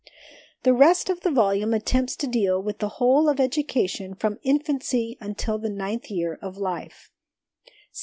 The rest of the volume attempts to deal with the whole of education from infancy until the ninth year of life.